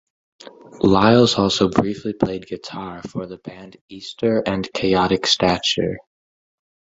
Liles also briefly played guitar for the band Easter and Chaotic Stature.